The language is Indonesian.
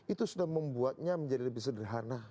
itu sudah membuatnya menjadi lebih sederhana